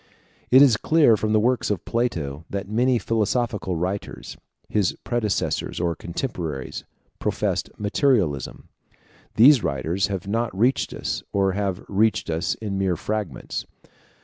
It is clear from the works of Plato, that many philosophical writers, his predecessors or contemporaries, professed materialism. These writers have not reached us, or have reached us in mere fragments.